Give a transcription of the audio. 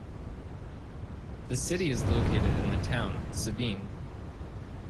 The city is located in the town, Sabin.